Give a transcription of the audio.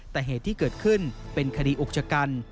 แต่เหตุที่เกิดขึ้นเป็นคดีอุกชะกัน